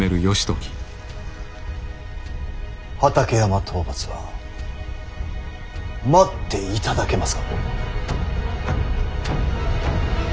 畠山討伐は待っていただけますか。